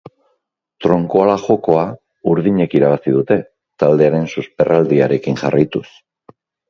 Tronkoala jokoa urdinek irabazi dute, taldearen susperraldiarekin jarraituz.